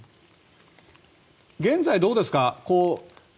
現在、どうですか？